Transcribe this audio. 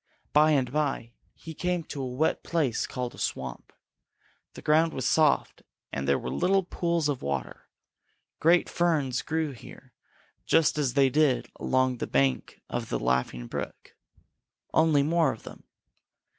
By and by he came to a wet place called a swamp. The ground was soft, and there were little pools of water. Great ferns grew here just as they did along the bank of the Laughing Brook, only more of them.